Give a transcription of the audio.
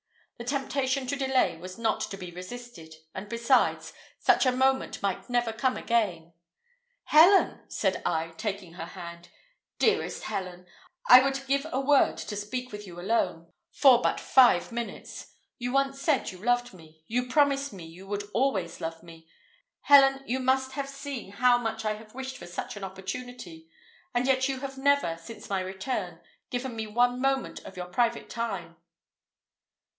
The temptation to delay was not to be resisted, and besides, such a moment might never come again. "Helen!" said I, taking her hand, "dearest Helen, I would give a world to speak with you alone, for but five minutes. You once said you loved me you promised you would always love me. Helen, you must have seen how much I have wished for such an opportunity, and yet you have never, since my return, given me one moment of your private time."